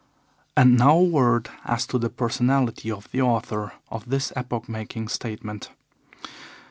And now a word as to the personality of the author of this epoch making statement.